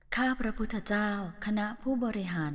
ข้าพระพุทธเจ้าคณะผู้บริหาร